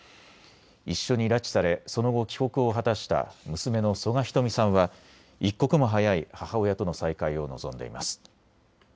一緒に拉致され、その後、帰国を果たした娘の曽我ひとみさんは一刻も早い母親との再会を望んでいます。